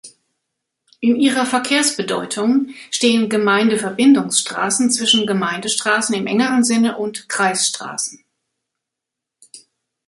In ihrer Verkehrsbedeutung stehen Gemeindeverbindungsstraßen zwischen Gemeindestraßen im engeren Sinne und Kreisstraßen.